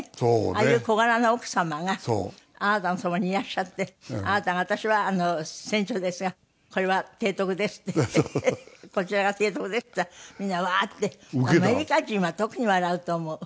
ああいう小柄な奥様があなたのそばにいらっしゃってあなたが「私は船長ですがこれは提督です」って言って「こちらが提督です」って言ったらみんなワーッてアメリカ人は特に笑うと思う。